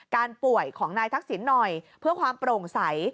ป่วยของนายทักษิณหน่อยเพื่อความโปร่งใส